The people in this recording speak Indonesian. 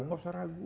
tidak usah ragu